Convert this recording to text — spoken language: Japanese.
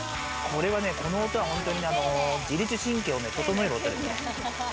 この音は本当に自律神経を整える音です。